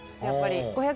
やっぱり。